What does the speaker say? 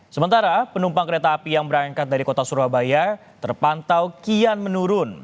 sementara penumpang kereta api yang berangkat dari kota surabaya terpantau kian menurun